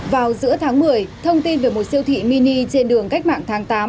vào giữa tháng một mươi thông tin về một siêu thị mini trên đường cách mạng tháng tám